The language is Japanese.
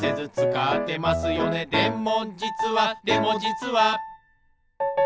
「でもじつはでもじつは」